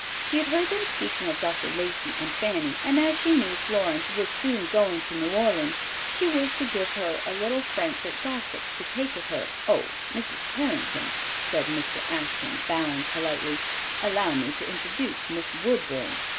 She had heard them speak of Dr. Lacey and Fanny, and as she knew Florence was soon going to New Orleans, she wished to give her a little Frankfort gossip to take with her. "Oh, Mrs. Carrington," said Mr. Ashton, bowing politely, "allow me to introduce Miss Woodburn.